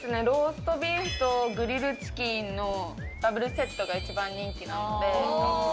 ローストビーフとグリルチキンのダブルセットが一番人気なんで。